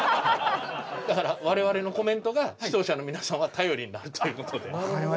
だから我々のコメントが視聴者の皆さんは頼りになるということで。